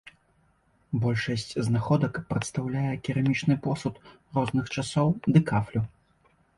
Большасць знаходак прадстаўляе керамічны посуд розных часоў ды кафлю.